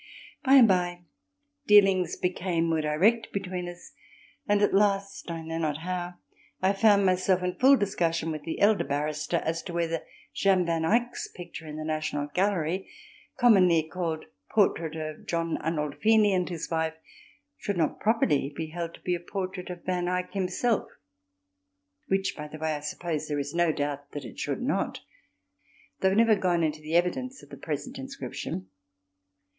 By and by dealings became more direct between us and at last, I know not how, I found myself in full discussion with the elder barrister as to whether Jean Van Eyck's picture in the National Gallery commonly called "Portrait of John Arnolfini and his Wife" should not properly be held to be a portrait of Van Eyck himself (which, by the way, I suppose there is no doubt that it should not, though I have never gone into the evidence for the present inscription).